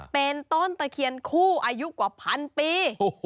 เป็นต้นตะเคียนคู่อายุกว่าพันปี